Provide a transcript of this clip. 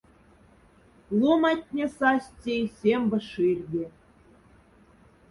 Ломаттне састь сей сембе ширде.